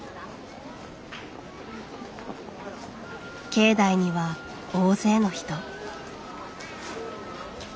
境内には大勢の人。